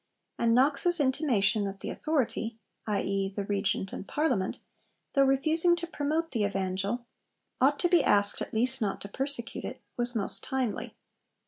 And Knox's intimation that the Authority i.e., the Regent and Parliament though refusing to promote the Evangel, ought to be asked at least not to persecute it, was most timely.